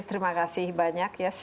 terima kasih banyak